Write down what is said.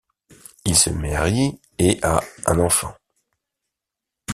Il se marie et a un enfant.